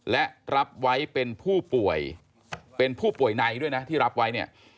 และรับไว้เป็นผู้ป่วยเป็นผู้ป่วยในด้วยนะที่รับไว้เนี่ย